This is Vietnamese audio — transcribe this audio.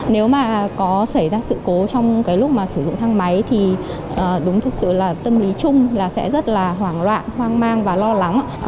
nếu mà có xảy ra sự cố trong cái lúc mà sử dụng thang máy thì đúng thực sự là tâm lý chung là sẽ rất là hoảng loạn hoang mang và lo lắng